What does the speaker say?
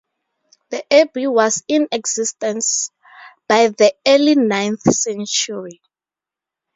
The abbey was in existence by the early ninth century.